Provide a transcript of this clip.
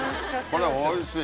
これおいしい。